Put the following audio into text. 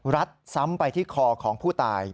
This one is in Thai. รัดซ้ำไปที่คอของผู้ตาย